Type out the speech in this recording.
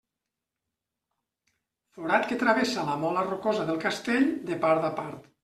Forat que travessa la mola rocosa del castell de part a part.